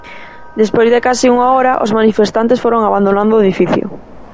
Despois de case unha hora os manifestantes foron abandonando o edificio.